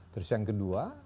terus yang kedua